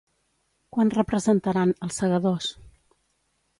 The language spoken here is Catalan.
Quan representaran "Els segadors"?